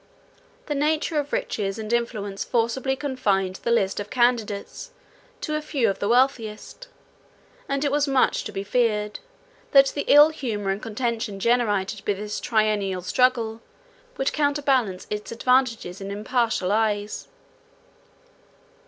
The nature of riches and influence forcibly confined the list of candidates to a few of the wealthiest; and it was much to be feared, that the ill humour and contention generated by this triennial struggle, would counterbalance its advantages in impartial eyes.